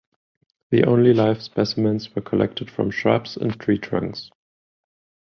The only live specimens were collected from shrubs and tree trunks.